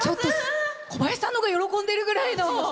小林さんのほうが喜んでるぐらいの！